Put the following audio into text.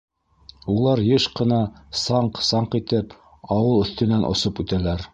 Улар йыш ҡына саңҡ-саңҡ итеп ауыл өҫтөнән осоп үтәләр.